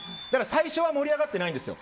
最初は盛り上がってないんですよ。